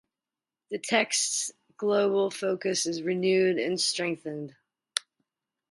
The text's global focus is renewed and strengthened.